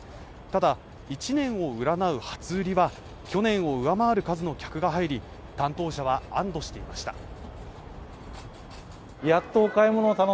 ただ１年を占う初売りは去年を上回る数の客が入り担当者は安堵していました